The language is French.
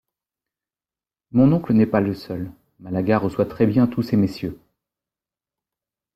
Mon oncle n’est pas le seul, Malaga reçoit très-bien tous ces messieurs...